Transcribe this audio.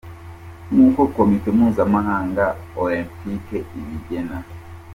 nk’uko komite mpuzamahanga olempike ibigena.